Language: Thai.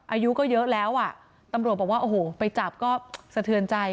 อายุก็เยอะแล้วอ่ะตำรวจบอกว่าโอ้โหไปจับก็สะเทือนใจ